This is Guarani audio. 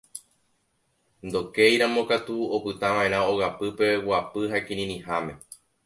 Ndokéiramo katu opytava'erã ogapýpe guapy ha kirirĩháme.